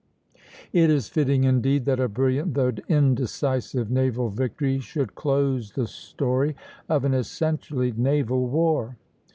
It is fitting indeed that a brilliant though indecisive naval victory should close the story of an essentially naval war.